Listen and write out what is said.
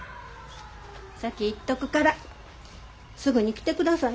先行っとくからすぐに来てくださいよ。